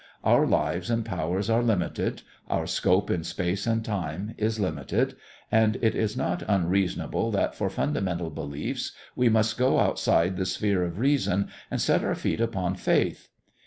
Our lives and powers are limited, our scope in space and time is limited, and it is not unreasonable that for fundamental beliefs we must go outside the sphere of reason and set our feet upon faith.